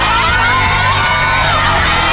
ขอรับคุณครับ